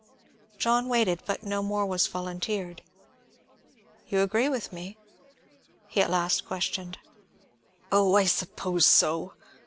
John waited, but no more was volunteered. "You agree with me?" he at last questioned. "Oh, I suppose so!"